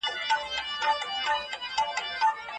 ستاسو په ذهن کي به د نويو کارونو ولوله وي.